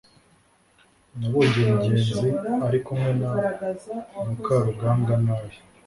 nabonye ngenzi ari kumwe na mukarugambwa nabi